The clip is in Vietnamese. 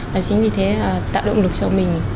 và chính vì thế tạo động lực cho mình